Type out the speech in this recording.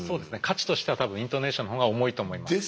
価値としては多分イントネーションの方が重いと思います。